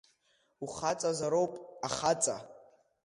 Ухаҵазароуп ахаҵа.